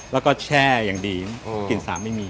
แล้วก็แช่อย่างดีกลิ่นสาไม่มี